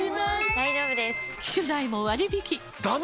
大丈夫です！